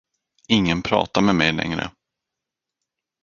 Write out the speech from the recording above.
Ingen pratar med mig längre.